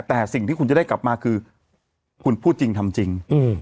แต่สิ่งที่คุณจะได้กลับมาคือคุณพูดจริงทำจริง